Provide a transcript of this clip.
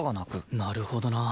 なるほどな